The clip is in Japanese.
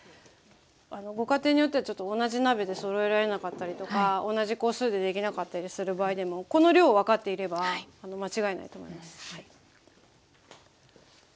ご家庭によっては同じ鍋でそろえられなかったりとか同じ個数でできなかったりする場合でもこの量を分かっていれば間違いないと思いますはい。